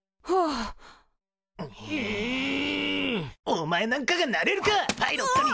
お前なんかがなれるかパイロットに。